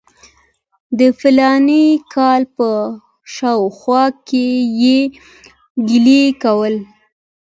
د فلاني کال په شاوخوا کې یې ګیله کوله.